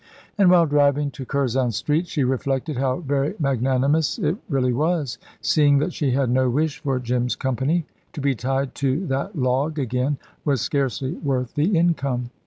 And while driving to Curzon Street she reflected how very magnanimous it really was, seeing that she had no wish for Jim's company. To be tied to that log again was scarcely worth the income.